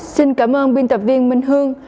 xin cảm ơn biên tập viên minh hương